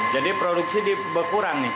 jadi produksi berkurang